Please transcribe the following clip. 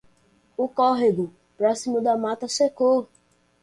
O córrego, próximo da mata, secou!